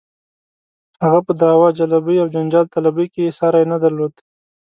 هغه په دعوه جلبۍ او جنجال طلبۍ کې یې ساری نه درلود.